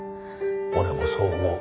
俺もそう思う。